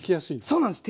そうなんです。